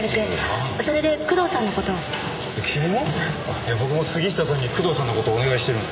いや僕も杉下さんに工藤さんの事をお願いしてるんだ。